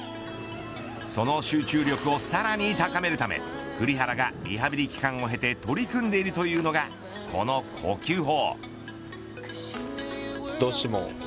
その集中力をさらに高めるため栗原がリハビリ期間を経て取り組んでいるというのがこの呼吸法。